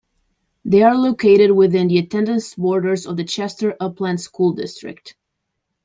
They are located within the attendance borders of the Chester Upland School District.